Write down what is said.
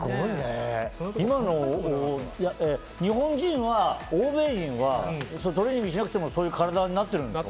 今の欧米人はトレーニングしなくてもそういう体になってるんですか？